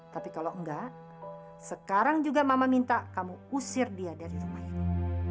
tapi kalau enggak sekarang juga mama minta kamu usir dia dari rumah ini